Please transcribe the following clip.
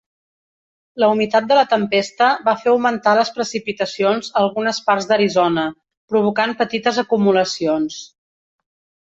La humitat de la tempesta va fer augmentar les precipitacions a algunes parts d'Arizona, provocant petites acumulacions.